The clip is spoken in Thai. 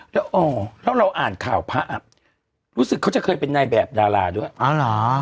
แล้วอ๋อแล้วเราอ่านข่าวพระอ่ะรู้สึกเขาจะเคยเป็นนายแบบดาราด้วยอ๋อเหรอ